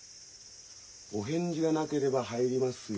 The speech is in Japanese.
お返事がなければ入りますよ。